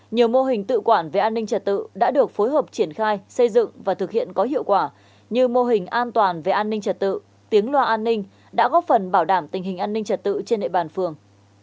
nhiều mô hình tự quản về an ninh trật tự đã được phối hợp triển khai xây dựng và thực hiện có hiệu quả như mô hình an toàn về an ninh trật tự tiếng loa an ninh đã góp phần bảo đảm tình hình an ninh trật tự trên địa bàn phường